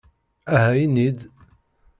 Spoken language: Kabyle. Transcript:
Aha ini-d!